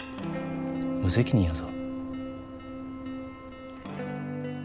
無責任やぞ。